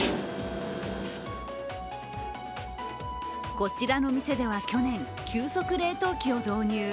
こちらの店では去年、急速冷凍機を導入。